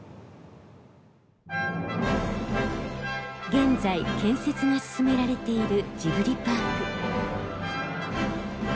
現在建設が進められているジブリパーク。